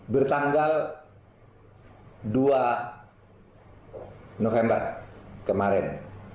bertanggal dua november kemarin